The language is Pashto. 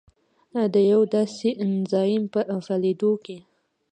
د یوه داسې انزایم په فعالېدو کې